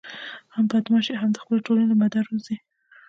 هم بدماش شي او هم د خپلې ټولنې له مدار ووزي.